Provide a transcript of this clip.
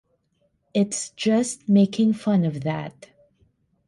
It's just making fun of that.